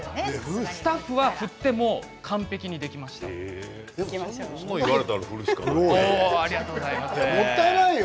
スタッフは振っても完璧にじゃあ、やろうよ。